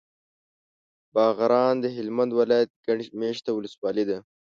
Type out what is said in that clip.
باغران د هلمند ولایت ګڼ مېشته ولسوالي ده.